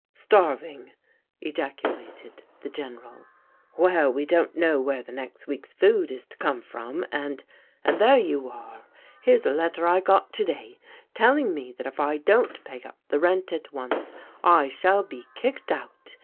" Starving !" ejaculated the General. " Well, we don't know where the next week's food is to come from — and — and there you are! Here's a let ter I got, to day, telling me that if I don't pay up the rent at once, I shall be kicked out.